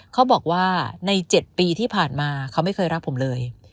เขาบอกว่าใน๗ปีที่ผ่านมาเขาไม่เคยรักผมเลย